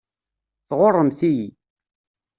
Tɣuṛṛemt-iyi.